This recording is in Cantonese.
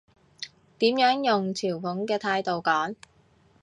點樣用嘲諷嘅態度講？